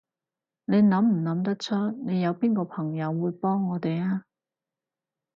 你諗唔諗得出，你有邊個朋友會幫我哋啊？